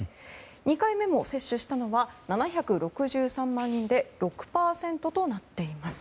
２回目も接種したのは７６３万人で６％となっています。